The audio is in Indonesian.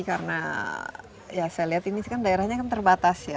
karena saya lihat ini kan daerahnya terbatas ya